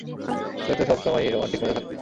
তুই তো সবসময়ই রোমান্টিক মুডে থাকতি!